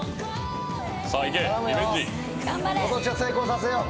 「ことしは成功させよう」